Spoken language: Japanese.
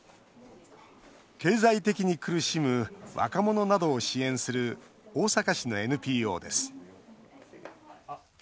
経済的に苦しむ若者などを支援する大阪市のＮＰＯです。